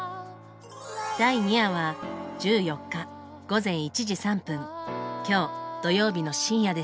第２夜は１４日午前１時３分きょう土曜日の深夜です。